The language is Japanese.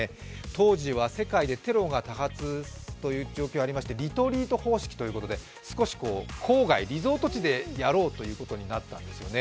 当時は世界でテロが多発という状況がありまして、リトリート方式ということでリゾート地でやろうということになっていまして、